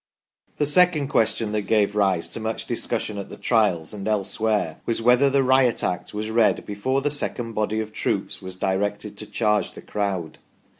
The second question that gave rise to much discussion at the Trials and elsewhere was whether the Riot Act was read before the second body of troops was directed to charge the crowd.